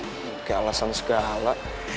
gak ada alasan segala